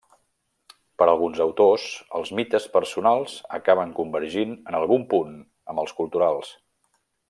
Per alguns autors, els mites personals acaben convergint en algun punt amb els culturals.